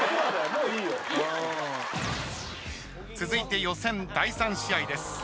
続いて予選第３試合です。